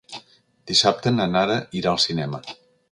Dissabte na Nara irà al cinema.